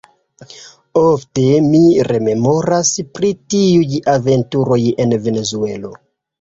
Ofte mi rememoras pri tiuj aventuroj en Venezuelo.